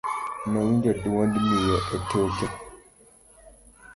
nowinjo duond miyo e toke